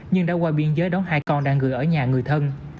nhưng đã qua biên giới đón hai con đang gửi ở nhà người thân